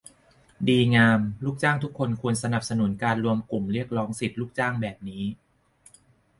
ดีงาม ลูกจ้างทุกคนควรสนับสนุนการรวมกลุ่มเรียกร้องสิทธิ์ลูกจ้างแบบนี้